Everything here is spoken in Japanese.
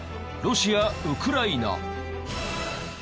ロシアウクライナ。